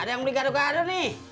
ada yang beli gaduh gaduh